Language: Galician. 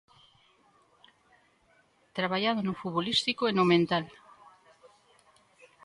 Traballado no futbolístico e no mental.